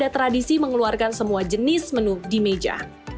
tradisi mengeluarkan semua jenis menu di meja